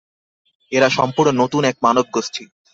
এরা সম্পূর্ণ নতুন এক মানবগোষ্ঠী।